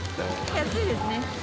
安いですね。